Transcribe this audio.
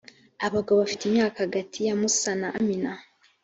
abagabo bafite imyaka hagati yamusa na amina